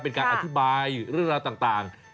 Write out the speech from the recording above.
เป็นการอธิบายเรื่องราวต่าง